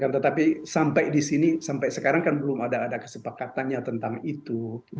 tetapi sampai di sini sampai sekarang kan belum ada kesepakatannya tentang itu